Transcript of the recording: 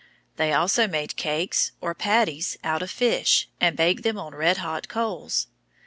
They also made cakes, or patties, out of fish, and baked them on red hot coals.